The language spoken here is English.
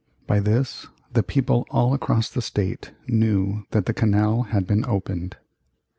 By this the people all across the State knew that the canal had been opened.